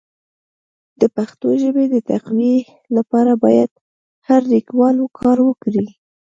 د پښتو ژبي د تقويي لپاره باید هر لیکوال کار وکړي.